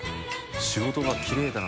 仕事がきれいだな。